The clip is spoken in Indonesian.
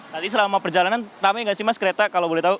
nanti selama perjalanan namanya gak sih mas kereta kalau boleh tau